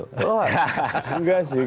oh nggak sih